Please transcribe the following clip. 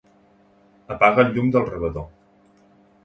Apaga el llum del rebedor.